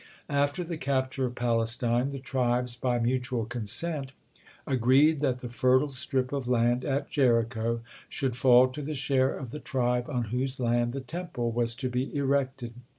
After the capture of Palestine, the tribes, by mutual consent, agreed that the fertile strip of land at Jericho should fall to the share of the tribe on whose land the Temple was to be erected.